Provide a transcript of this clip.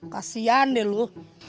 kasian deh lu